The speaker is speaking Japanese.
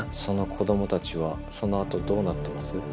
「その子供たちはその後どうなってます？」